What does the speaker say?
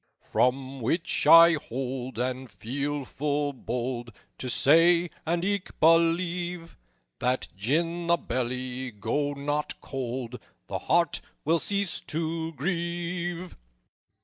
"From which I hold, and feel full bold To say, and eke believe, That gin the belly go not cold The heart will cease to grieve_."